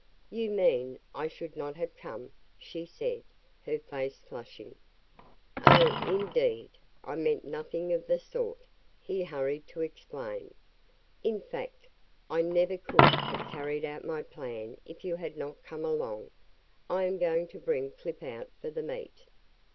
"You mean I should not have come?" she said, her face flushing. "Oh, indeed, I meant nothing of the sort," he hurried to explain. "In fact, I never could have carried out my plan if you had not come along. I am going to bring Clip out for the meet."